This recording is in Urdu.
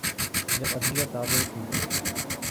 جب عدلیہ تابع تھی۔